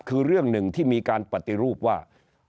คือเรื่องหนึ่งที่มีการปฏิรูปว่า